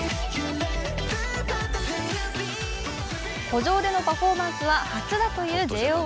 湖上でのパフォーマンスは初だというＪＯ１。